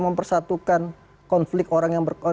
mempersatukan konflik orang yang